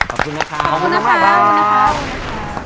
ขอบคุณนะครับบ๊วยบ๊ายบายอเรนนี่ขอบคุณนะครับ